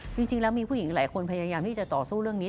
จริงแล้วมีผู้หญิงหลายคนพยายามที่จะต่อสู้เรื่องนี้